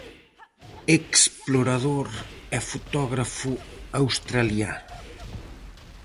Explorador e fotógrafo australiano.